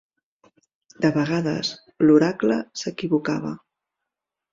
De vegades, l'oracle s'equivocava.